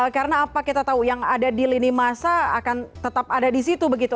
karena apa kita tahu yang ada di lini masa akan tetap ada di situ